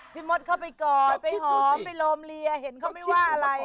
มดเข้าไปกอดไปหอมไปโรมเลียเห็นเขาไม่ว่าอะไร